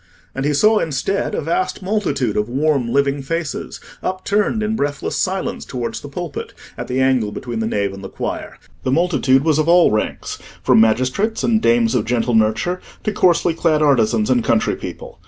And he saw, instead, a vast multitude of warm, living faces, upturned in breathless silence towards the pulpit, at the angle between the nave and the choir. The multitude was of all ranks, from magistrates and dames of gentle nurture to coarsely clad artisans and country people.